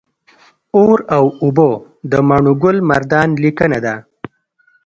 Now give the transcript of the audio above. اور او اوبه د ماڼوګل مردان لیکنه ده